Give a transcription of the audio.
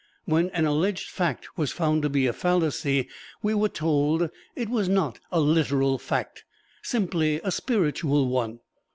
When an alleged fact was found to be a fallacy, we were told it was not a literal fact, simply a spiritual one.